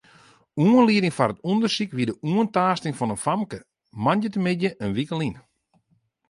Oanlieding foar it ûndersyk wie de oantaasting fan in famke moandeitemiddei in wike lyn.